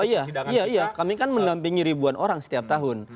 oh iya iya iya kami kan mendampingi ribuan orang setiap tahun